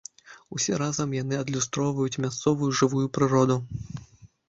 Усё разам яны адлюстроўваюць мясцовую жывую прыроду.